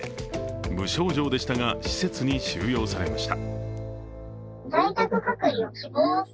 無症状でしたが、施設に収容されました。